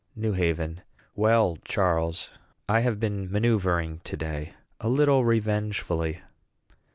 NEW HAVEN. Well, Charles, I have been manoeuvring to day a little revengefully.